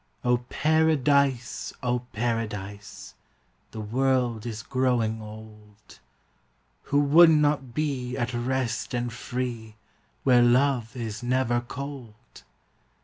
O Paradise, O Paradise, The world is growing old; Who would not be at rest and free Where love is never cold?